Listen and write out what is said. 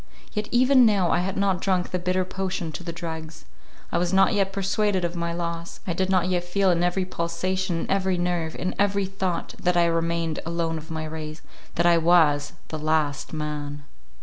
Yet even now I had not drunk the bitter potion to the dregs; I was not yet persuaded of my loss; I did not yet feel in every pulsation, in every nerve, in every thought, that I remained alone of my race,—that I was the LAST MAN.